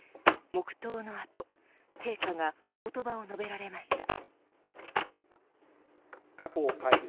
黙とうの後陛下がおことばを述べられました。